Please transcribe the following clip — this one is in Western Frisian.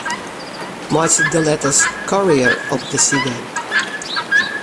Meitsje de letters Courier op 'e side.